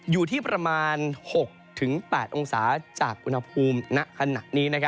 อยู่ที่ประมาณ๖๘องศาจากอุณหภูมิ